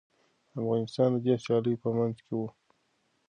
افغانستان د دې سیالیو په منځ کي و.